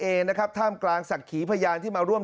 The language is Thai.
แถลงการแนะนำพระมหาเทวีเจ้าแห่งเมืองทิพย์